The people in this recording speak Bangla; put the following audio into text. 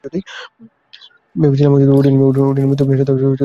ভেবেছিলাম ওডিনের মৃত্যুর সাথে সাথে তোমরাও শেষ হয়ে গেছো।